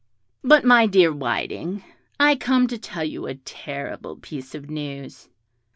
"But, my dear Whiting, I come to tell you a terrible piece of news."